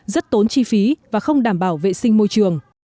rất tốn chi phí và không đảm bảo vệ sinh môi trường